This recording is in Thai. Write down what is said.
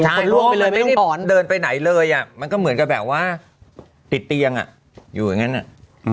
ใช่มันไม่ได้เดินไปไหนเลยอ่ะมันก็เหมือนกับแบบว่าติดเตียงอ่ะอยู่อย่างงั้นอ่ะ